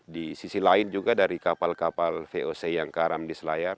di sisi lain juga dari kapal kapal voc yang karam di selayar